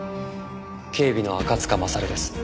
警備の赤塚勝です。